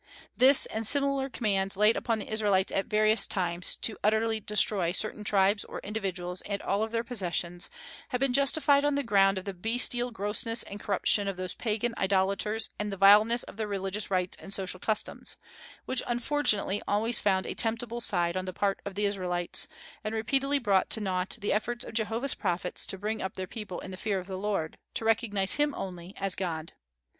This, and similar commands laid upon the Israelites at various times, to "utterly destroy" certain tribes or individuals and all of their possessions, have been justified on the ground of the bestial grossness and corruption of those pagan idolaters and the vileness of their religious rites and social customs, which unfortunately always found a temptable side on the part of the Israelites, and repeatedly brought to nought the efforts of Jehovah's prophets to bring up their people in the fear of the Lord, to recognize Him, only, as God.